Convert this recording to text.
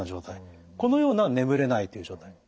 このような眠れないという状態。